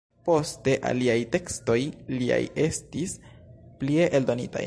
Poste aliaj tekstoj liaj estis plie eldonitaj.